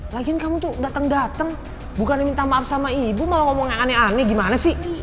lagiin kamu tuh datang datang bukan minta maaf sama ibu malah ngomong yang aneh aneh gimana sih